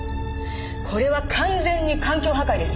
これは完全に環境破壊ですよね？